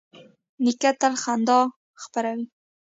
نیکه تل خندا خپروي.